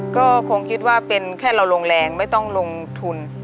ก็คงคิดว่าเป็นแค่เราลงแรงไม่ต้องลงทุน